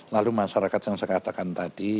lalu masyarakat yang saya katakan tadi